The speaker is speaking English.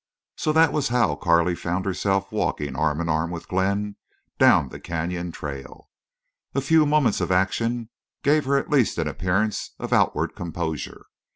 So that was how Carley found herself walking arm in arm with Glenn down the canyon trail. A few moments of action gave her at least an appearance of outward composure.